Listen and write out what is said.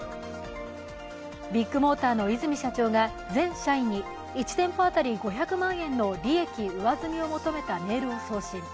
ビッグモーターの和泉社長が全社員に１店舗当たり５００万円の利益上積みを求めたメールを送信。